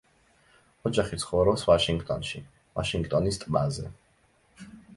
ოჯახი ცხოვრობს ვაშინგტონში, ვაშინგტონის ტბაზე.